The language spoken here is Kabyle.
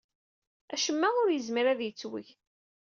Acemma ur yezmir ad yettweg?